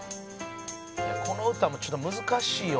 「この歌もちょっと難しいような」